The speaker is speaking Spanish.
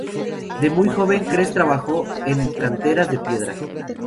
De muy joven, Kress trabajó en canteras de piedra.